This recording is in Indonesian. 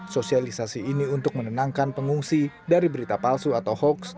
sosialisasi ini untuk menenangkan pengungsi dari berita palsu atau hoax